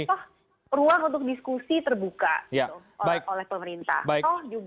kita juga ruang untuk diskusi terbuka oleh pemerintah